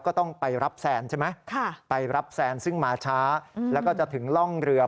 ก็ต้องไปรับแซนใช่ไหมไปรับแซนซึ่งมาช้าแล้วก็จะถึงร่องเรือ